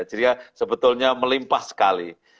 jadi ya sebetulnya melimpah sekali